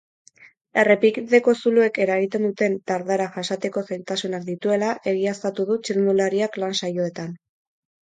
Errepideko zuloek eragiten duten dardara jasateko zailtasunak dituela egiaztatu du txirrindulariak lan saioetan.